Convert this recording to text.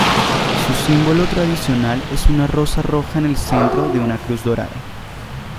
Su símbolo tradicional es una rosa roja en el centro de una cruz dorada.